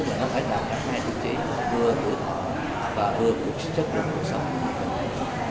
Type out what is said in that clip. tức là nó phải là các ngành thực trị vừa của họ và vừa của chất lượng cuộc sống của người ta